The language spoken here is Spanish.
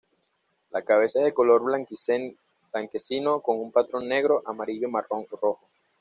La cabeza es de color blanquecino con un patrón negro, amarillo, marrón o rojo.